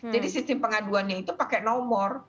jadi sistem pengaduannya itu pakai nomor